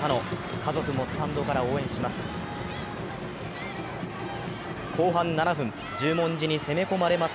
家族もスタンドから応援します。